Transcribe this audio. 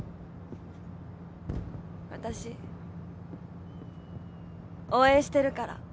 私応援してるから。